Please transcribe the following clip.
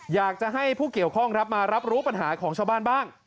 อยากจะให้ผู้เกี่ยวข้องครับมารับรู้ปัญหาของชาวบ้านบ้าง